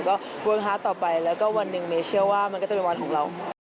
ก็เวิร์คฮาร์ดต่อไปแล้วก็วันหนึ่งเมย์เชื่อว่ามันก็จะเป็นวันของเรา